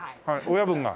親分が。